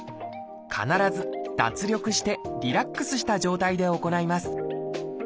必ず脱力してリラックスした状態で行います。